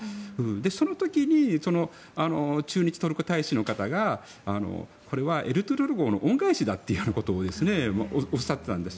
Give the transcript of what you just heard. その時に駐日トルコ大使の方がこれは「エルトゥールル号」の恩返しだっていうことをおっしゃってたんです。